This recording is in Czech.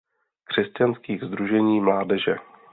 Křesťanských sdružení mládeže.